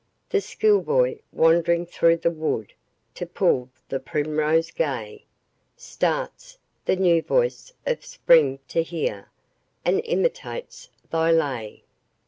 The school boy, wandering through the wood To pull the primrose gay, Starts, the new voice of Spring to hear, And imitates thy lay.